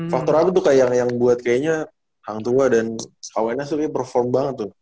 faktor aku tuh kak yang buat kayaknya hang tua dan h satu n satu tuh kayaknya perform banget tuh